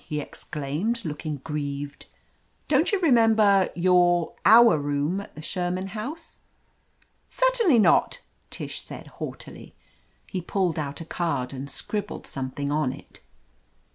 he exclaimed, looking grieved. "Don't you remember — ^your — our room at the Sherman House?" "Certainly not," Tish said haughtily. He pulled out a card and scribbled some thing on it.